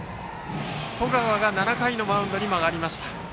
十川が７回のマウンドにも上がりました。